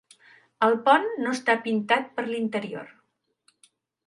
El pont no està pintat per l'interior.